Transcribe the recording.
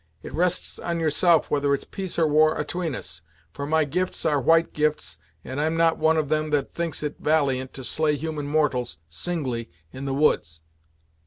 It rests on yourself whether it's peace or war atween us; for my gifts are white gifts, and I'm not one of them that thinks it valiant to slay human mortals, singly, in the woods."